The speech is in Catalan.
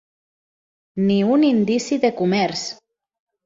Ni un indici de comerç!